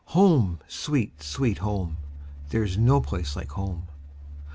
home! sweet, sweet home! There 's no place like home!